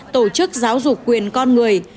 tổ chức giáo dục quyền con người